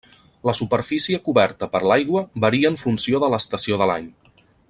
La superfície coberta per l'aigua varia en funció de l'estació de l'any.